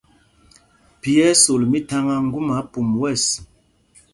Phī ɛ́ ɛ́ sol mítháŋá ŋgúma pum wɛ̂ɛs.